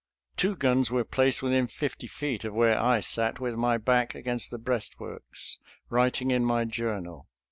Two guns were placed within fifty feet of where I sat with my back against the breastworks, writing in my journal.